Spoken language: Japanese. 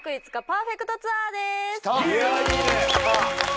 パーフェクトツアーです！